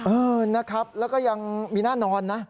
เออนะครับแล้วก็ยังมีหน้านอนนะ